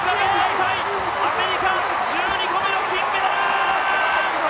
アメリカ、１２個目の金メダル！